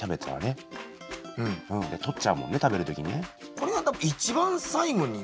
これは多分一番最後に。